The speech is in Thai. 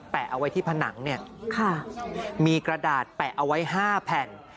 เอาไว้ที่ผนังเนี่ยมีกระดาษแปะเอาไว้๕แผ่น